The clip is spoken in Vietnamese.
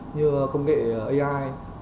như công nghệ ai